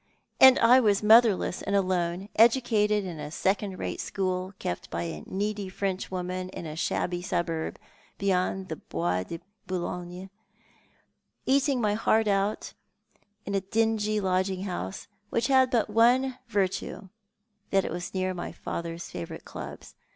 " And I was motherless and alone, educated in a second rate school, kept by a needy French woman in a shabby suburb beyond the Bois de Boulogne, and eating my heart out in a dingy lodging house, which had but one virtue, that it was near my father's favourite clubs.